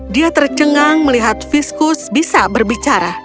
dia tercengang melihat viskus bisa berbicara